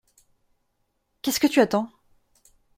Qu’est-ce que tu attends ?